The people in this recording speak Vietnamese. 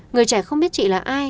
người trẻ không biết chị là ai